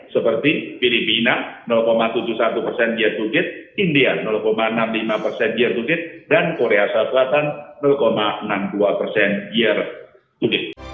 seperti filipina tujuh puluh satu persen year todid india enam puluh lima persen year todid dan korea selatan enam puluh dua persen year todid